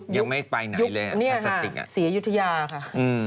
ยังไม่ไปไหนเลยอ่ะพลาสติกอ่ะศรีอยุธยาค่ะ